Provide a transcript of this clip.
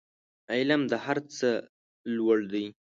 علم د هر څه لوړ دی